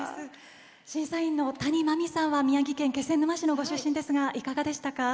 審査員の谷真海さんは宮城県気仙沼市のご出身ですが、いかがでしたか？